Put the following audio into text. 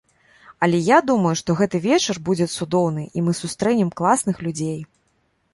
Але я думаю, што гэты вечар будзе цудоўны і мы сустрэнем класных людзей.